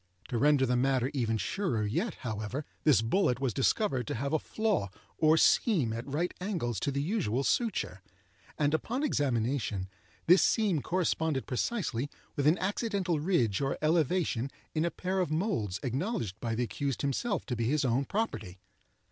To render the matter even surer yet, however, this bullet was discovered to have a flaw or seam at right angles to the usual suture, and upon examination, this seam corresponded precisely with an accidental ridge or elevation in a pair of moulds acknowledged by the accused himself to be his own property.